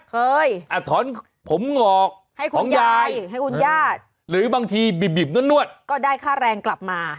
ถอนผมงอกให้ของยายให้คุณญาติหรือบางทีบีบนวดก็ได้ค่าแรงกลับมา